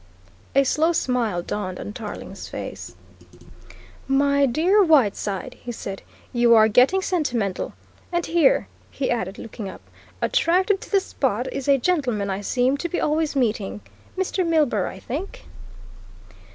A slow smile dawned on Tarling's face. "My dear Whiteside," he said, "you are getting sentimental! And here," he added, looking up, "attracted to the spot, is a gentleman I seem to be always meeting Mr. Milburgh, I think."